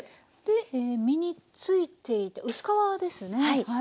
実についていて薄皮ですね。